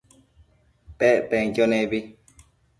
Pec penquio nebi